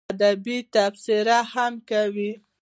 ادبي تبصرې هم کوي.